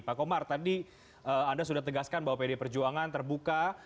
pak komar tadi anda sudah tegaskan bahwa pd perjuangan terbuka